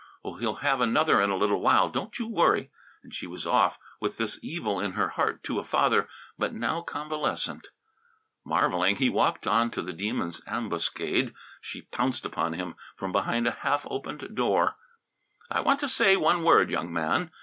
"Oh, he'll have another in a little while, don't you worry!" And she was off, with this evil in her heart, to a father but now convalescent. Marvelling, he walked on to the Demon's ambuscade. She pounced upon him from behind a half opened door. "I want to say one word, young man.